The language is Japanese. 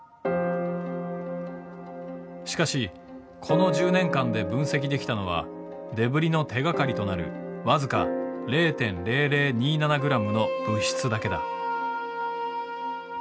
しかしこの１０年間で分析できたのはデブリの手がかりとなる僅か０．００２７ｇの物質だけだ。